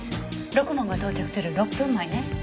ろくもんが到着する６分前ね。